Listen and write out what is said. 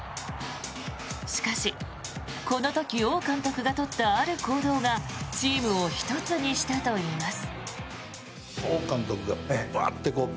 しかし、この時王監督が取ったある行動がチームを一つにしたといいます。